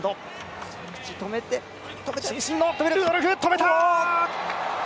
止めた！